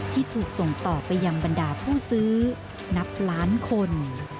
ที่ถูกส่งต่อไปยังบรรดาผู้ซื้อนับล้านคน